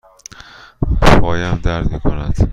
پایم درد می کند.